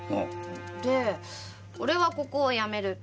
で「俺はここを辞める」。